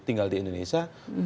tinggal di indonesia